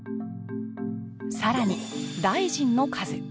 さらに大臣の数